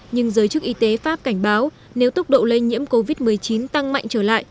nhưng giới chức y tế pháp cảnh báo nếu tốc độ lây nhiễm covid một mươi chín tăng mạnh trở lại